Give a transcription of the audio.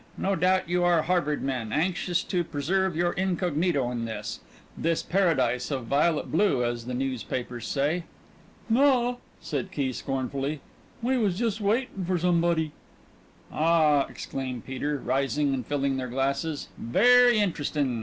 No doubt you are Harvard men, anxious to preserve your incognito in this this paradise of violet blue, as the newspapers say." "Na ah," said Key scornfully, "we was just waitin' for somebody." "Ah," exclaimed Peter, rising and filling their glasses, "very interestin'.